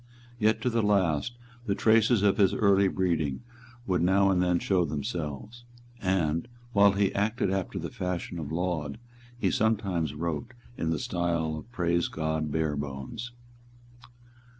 Yet to the last the traces of his early breeding would now and then show themselves; and, while he acted after the fashion of Laud, he sometimes wrote in the style of Praise God Barebones.